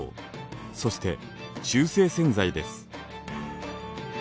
そして中性洗剤です。